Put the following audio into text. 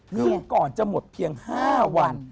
ซึ่งก่อนจะหมดเพียง๕วัน